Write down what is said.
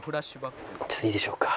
ちょっといいでしょうか。